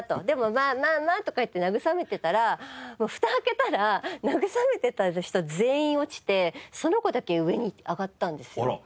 でもまあまあまあとか言って慰めてたらふた開けたら慰めてた人全員落ちてその子だけ上に上がったんですよ